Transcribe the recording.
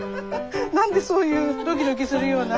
何でそういうドキドキするような。